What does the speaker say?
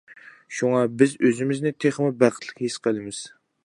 شۇڭا بىز ئۆزىمىزنى تېخىمۇ بەختلىك ھېس قىلىمىز.